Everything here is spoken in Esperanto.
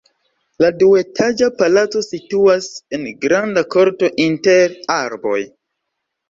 La duetaĝa palaco situas en granda korto inter arboj.